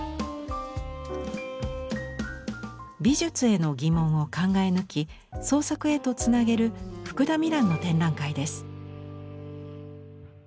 美術への疑問を考え抜き創作へとつなげる福田美蘭の展覧会です。